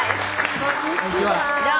こんにちは。